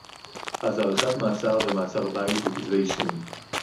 אז הארכת מעצר ומעצר-בית וכתבי-אישום